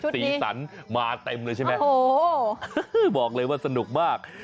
สีสันมาเต็มเลยใช่ไหมบอกเลยว่าสนุกมาก